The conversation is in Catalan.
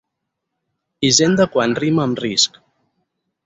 Hisenda quan rima amb risc.